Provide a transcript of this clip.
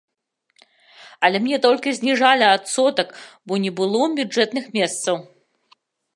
Але мне толькі зніжалі адсотак, бо не было бюджэтны месцаў.